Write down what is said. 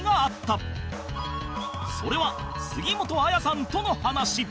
それは杉本彩さんとの話